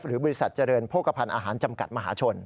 บริษัทเจริญโภคภัณฑ์อาหารจำกัดมหาชน